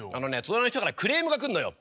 隣の人からクレームが来んのよ。